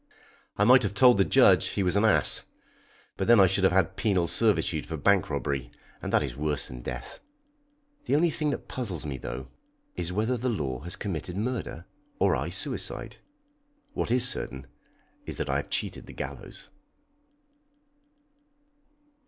I might have told the judge he was an ass, but then I should have had penal servitude for bank robbery, and that is worse than death. The only thing that puzzles me, though, is whether the law has committed murder or I suicide. What is certain is that I have cheated the gallows.